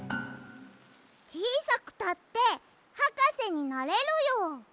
ちいさくたってはかせになれるよ。